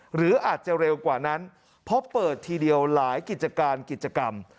หรืออาจจะเร็วกว่านั้นเพราะเปิดทีเดียวหลายกิจการกิจกรรม